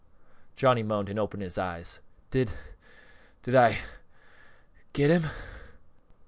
Johnny moaned and opened his eyes. "Did did I get him?"